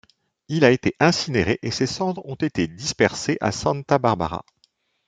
Il a été incinéré et ses cendres ont été dispersées à Santa Barbara.